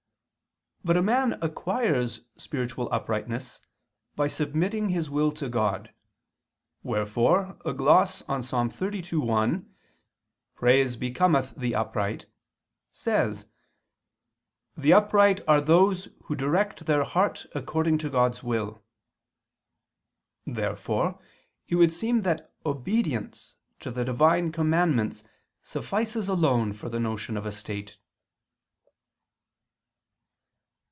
But a man acquires spiritual uprightness by submitting his will to God; wherefore a gloss on Ps. 32:1, "Praise becometh the upright," says: "The upright are those who direct their heart according to God's will." Therefore it would seem that obedience to the Divine commandments suffices alone for the notion of a state.